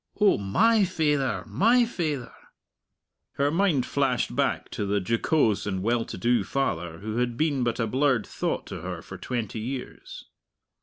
Oh, my faither, my faither!" Her mind flashed back to the jocose and well to do father who had been but a blurred thought to her for twenty years.